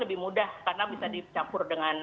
lebih mudah karena bisa dicampur dengan